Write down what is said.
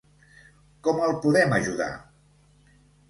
Com el podem ajudar?